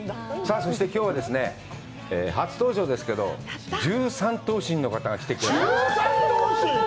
さあ、そして、きょうはですね、初登場ですけど、１３頭身の方が来てくれました。